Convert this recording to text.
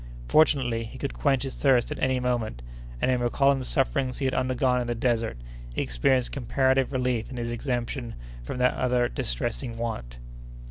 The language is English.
Fortunately, he could quench his thirst at any moment, and, in recalling the sufferings he had undergone in the desert, he experienced comparative relief in his exemption from that other distressing want.